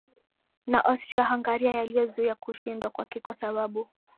na Austria Hungaria yaliyozuia kushindwa kwake kwa sababu